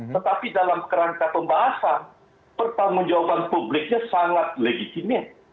tetapi dalam rangka pembahasan pertanggungjawaban publiknya sangat legitimnya